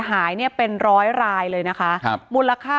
อ๋อเจ้าสีสุข่าวของสิ้นพอได้ด้วย